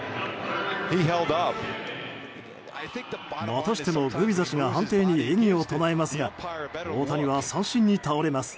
またしてもグビザ氏が判定に異議を唱えますが大谷は三振に倒れます。